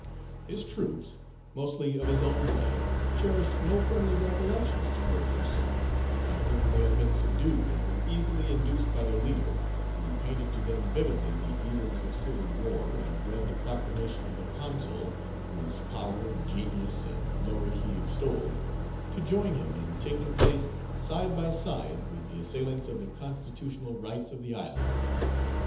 His troops, mostly of his own blood, cherished no friendly recollections toward Toussaint, by whom they had been subdued and were easily induced by their leader, who painted to them vividly the evils of civil war, and read the proclamation of the Consul, whose power, genius, and glory he extolled, to join him in taking place side by side with the assailants of the constitutional rights of the island.